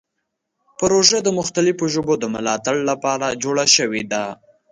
پروژه د مختلفو ژبو د ملاتړ لپاره جوړه شوې ده.